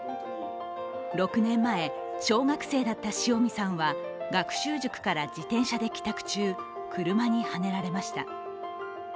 ６年前、小学生だった塩見さんは学習塾から自転車で帰宅中車にはねられました。